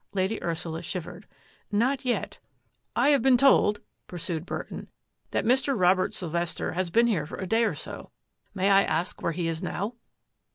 Lady Ursula shivered. " Not yet." " I have been told," pursued Burton, " that Mr. Robert Sylvester has been here for a day or so. May I ask where he is now